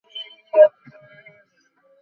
তারা ঠিক আছে?